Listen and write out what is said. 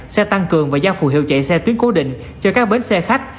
xe tăng cường và giao phụ hiệu chạy xe tuyến cố định cho các bến xe khách